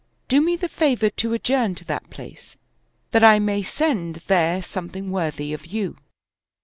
Do me the favor to adjourn to that place, that I may send there something worthy of you.